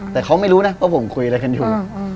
แต่เขาไม่รู้นะว่าผมคุยอะไรกันอยู่